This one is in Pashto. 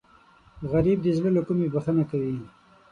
غریب د زړه له کومې بښنه کوي